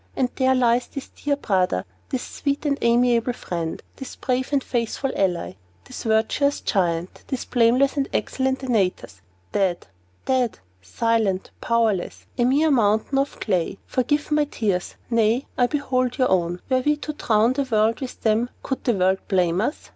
And there lies this dear brother this sweet and amiable friend this brave and faithful ally this virtuous Giant this blameless and excellent Antaeus dead! Dead! Silent! Powerless! A mere mountain of clay! Forgive my tears! Nay, I behold your own. Were we to drown the world with them, could the world blame us?